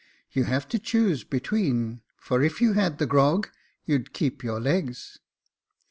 You have to choose between — for if you had tlie grog, you'd keep your legs."